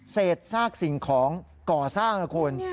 เศษซากสิ่งของก่อสร้างนะคุณ